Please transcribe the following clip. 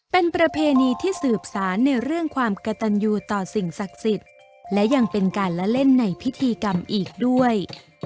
เป็นประเพณีที่สืบสารในเรื่องความกระตันยูต่อสิ่งศักดิ์สิทธิ์และยังเป็นการละเล่นในพิธีกรรมอีกด้วย